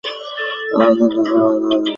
ভীত মনে ধীরে ধীরে চলিয়া আসিলেন।